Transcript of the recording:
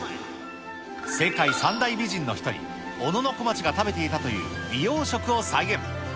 世界三大美人の一人、小野小町が食べていたという美容食を再現。